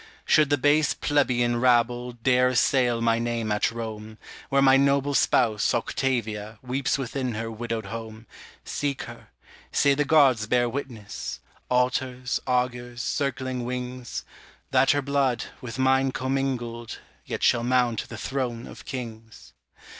Should the base plebeian rabble Dare assail my name at Rome, Where my noble spouse, Octavia, Weeps within her widowed home, Seek her; say the gods bear witness Altars, augurs, circling wings That her blood, with mine commingled, Yet shall mount the throne of kings.